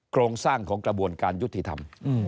โครงสร้างของกระบวนการยุติธรรม